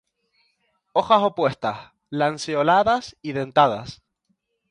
Hojas opuestas, lanceoladas y dentadas.